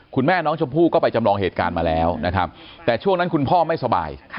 คุณแม่น้องชมพู่ก็ไปจำลองเหตุการณ์มาแล้วนะครับแต่ช่วงนั้นคุณพ่อไม่สบาย